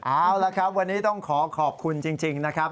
เอาละครับวันนี้ต้องขอขอบคุณจริงนะครับ